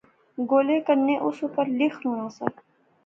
گولے کنے اُس اُپر لیخنونا سا